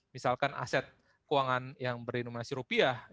misalkan aset keuangan yang berinominasi rupiah